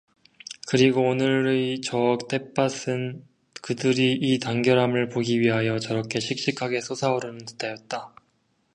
그리고 오늘의 저 햇발은 그들의 이 단결함을 보기 위하여 저렇게 씩씩하게 솟아오르는 듯하였다.